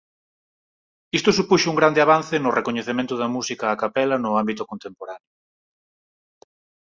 Isto supuxo un grande avance no recoñecemento da música a capela no ámbito contemporáneo.